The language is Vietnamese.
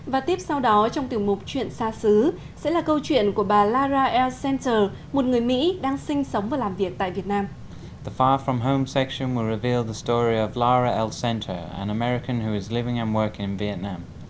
và tiếp sau đó trong tiểu mục chuyện xa xứ sẽ là câu chuyện của bà lara center một người mỹ đang sinh sống và làm việc tại việt nam